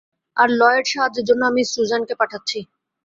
আর, Lloyd, সাহায্যের জন্য আমি সুজ্যানকে পাঠাচ্ছি।